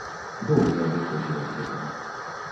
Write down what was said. Доўга адыходзіў ад гэтага.